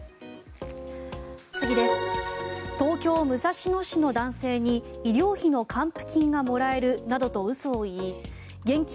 東京・武蔵野市の男性に医療費の還付金がもらえるなどと嘘を言い現金